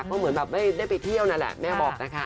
ก็เหมือนแบบไม่ได้ไปเที่ยวนั่นแหละแม่บอกนะคะ